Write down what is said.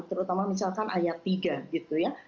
terutama misalkan ayat tiga gitu ya